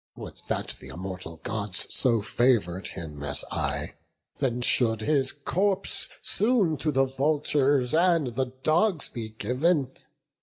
would that th' immortal Gods So favour'd him as I! then should his corpse Soon to the vultures and the dogs be giv'n!